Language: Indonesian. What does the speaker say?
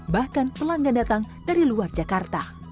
bahkan pelanggan datang dari luar jakarta